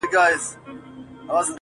څوك به بېرته لوپټه د خور پر سر كي.!